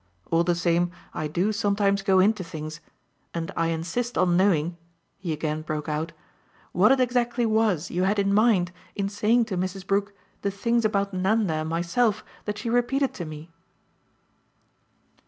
All the same I do sometimes go into things, and I insist on knowing," he again broke out, "what it exactly was you had in mind in saying to Mrs. Brook the things about Nanda and myself that she repeated to me."